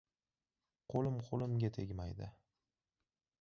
Qo‘lim qo‘limga tegmaydi.